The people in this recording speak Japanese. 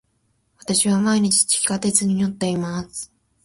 私は毎日地下鉄に乗っています。